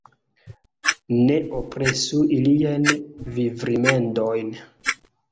Ne opresu iliajn vivrimedojn.